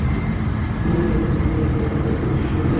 এরকম পরিস্থিতির জন্য অন্যদের চেয়ে ওনাকে একটু বেশি সুযোগ দেয়া যায়।